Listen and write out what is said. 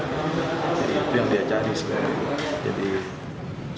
jadi itu yang dia cari sebenarnya